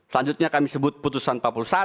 selanjutnya kami sebut putusan empat puluh satu